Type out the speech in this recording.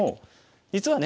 実はね